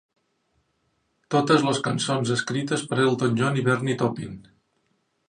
Totes les cançons escrites per Elton John i Bernie Taupin.